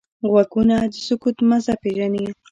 غوږونه د سکوت مزه پېژني